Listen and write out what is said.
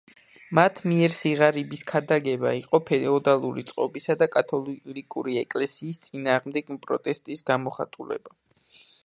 მათ მიერ სიღარიბის ქადაგება იყო ფეოდალური წყობისა და კათოლიკური ეკლესიის წინააღმდეგ პროტესტის გამოხატულება.